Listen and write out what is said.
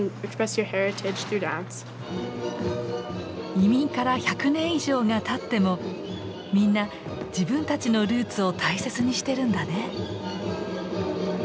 移民から１００年以上がたってもみんな自分たちのルーツを大切にしてるんだね。